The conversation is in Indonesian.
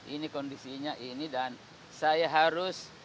ini kondisinya ini dan saya harus